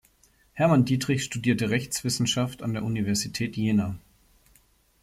Hermann Dietrich studierte Rechtswissenschaft an der Universität Jena.